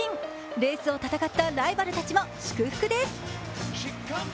レースを戦ったライバルたちも祝福です。